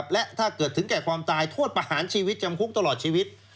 และถ้าเกิดถึงแก่ความตายโทษประหารชีวิตจำคุกตลอดชีวิต